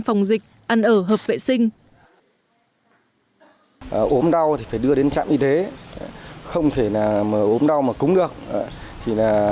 phòng dịch ăn ở hợp vệ sinh